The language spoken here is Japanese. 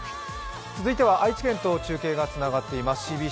続いては愛知県と中継がつながっています。